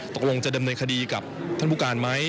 ตกลงจะดำเนินคดีกับท่านผู้การไหม